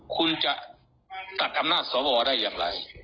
คุณจะตัดอำนาจสวได้อย่างไร